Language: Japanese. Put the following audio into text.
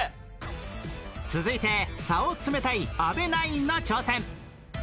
続いて差を詰めたい阿部ナインの挑戦！